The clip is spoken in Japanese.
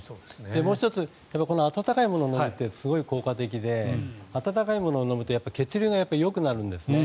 もう１つ、この温かいものを飲むっていうのはすごく効果的で温かいものを飲むと血流がよくなるんですね。